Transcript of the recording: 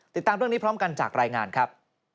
ติดตามเรื่องนี้พร้อมกันจากรายงานครับ